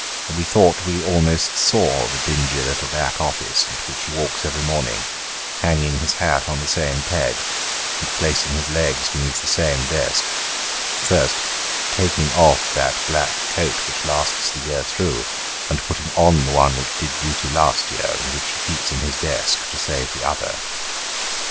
We thought we almost saw the dingy little back office into which he walks every morning, hanging his hat on the same peg, and placing his legs beneath the same desk : first, taking off that black coat which lasts the year through, and putting on the one which did duty last year, and which he keeps in his desk to save the other.